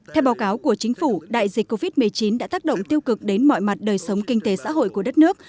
theo báo cáo của chính phủ đại dịch covid một mươi chín đã tác động tiêu cực đến mọi mặt đời sống kinh tế xã hội của đất nước